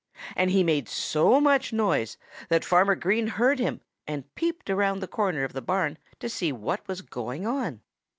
And he made so much noise that Farmer Green heard him and peeped around the corner of the barn to see what was going on.